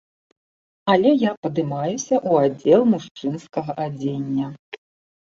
Але я падымаюся ў аддзел мужчынскага адзення.